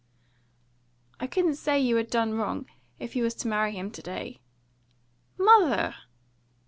"I couldn't say you had done wrong, if you was to marry him to day." "Mother!"